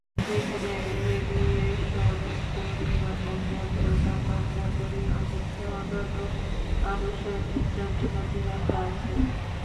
যেখানে রেডিয়েশন পরিমাপক যন্ত্র, তাপমাত্রা পরিমাপকসহ অন্যান্য আনুষঙ্গিক যন্ত্রপাতি রাখা আছে।